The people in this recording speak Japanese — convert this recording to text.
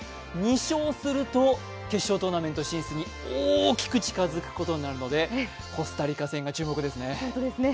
２勝すると決勝トーナメント進出に大きく近づくことになるのでコスタリカ戦が注目ですね。